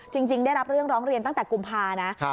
จริงได้รับเรื่องร้องเรียนตั้งแต่กุมภานะ